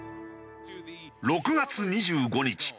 ６月２５日